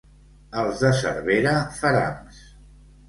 Els de Cervera, ferams.